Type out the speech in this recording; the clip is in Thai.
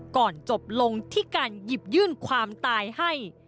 จบลงที่การหยิบยื่นความตายให้